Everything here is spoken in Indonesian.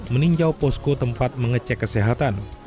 meninjau posko tempat mengecek kesehatan